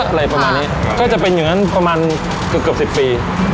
อะไรประมาณนี้ก็จะเป็นอย่างนั้นประมาณเกือบเกือบสิบปี